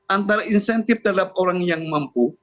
antara insentif terhadap orang yang mampu